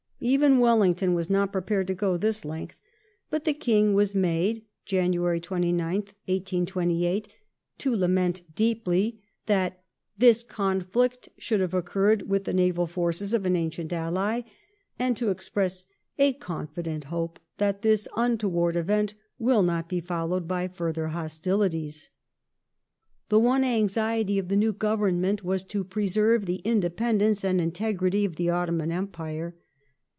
Even Wellington was not prepared to go this length, but the King was made (Jan. 29th, 1828) to " lament deeply " that "this conflict should have occmTed with the naval forces of an ancient ally," and to express a con fident hope that this untoward event will not be followed by further hostilities". The one anxiety of the new Government was to preserve the independence and integrity of the Ottoman Empii e.